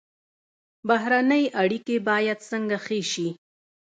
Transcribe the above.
بهرنۍ اړیکې باید څنګه ښې شي؟